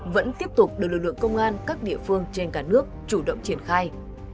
vẫn tiếp tục được lực lượng công an các địa phương trên cả nước chủ động triển khai